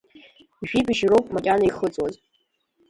Жәибжь роуп макьана ихыҵуаз…